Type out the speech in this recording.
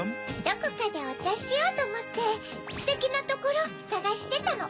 どこかでおちゃしようとおもってステキなところさがしてたの。